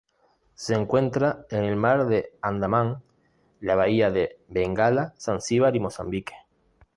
Se encuentra en el Mar de Andaman, la Bahía de Bengala, Zanzíbar y Mozambique.